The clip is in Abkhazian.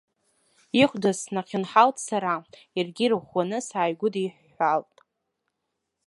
Ихәда снахьынҳалт сара, иаргьы ирӷәӷәаны сааигәыдиҳәҳәалт.